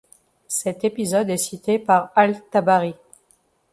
Cet épisode est cité par al-Tabari.